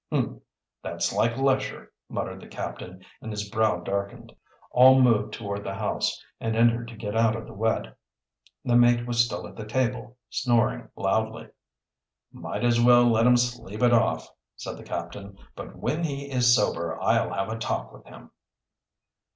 "Humph! That's like Lesher," muttered the captain, and his brow darkened. All moved toward the house, and entered to get out of the wet. The mate was still at the table, snoring loudly. "Might as well let him sleep it off," said the captain. "But when he is sober I'll have a talk with him."